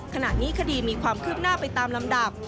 คดีมีความคืบหน้าไปตามลำดับ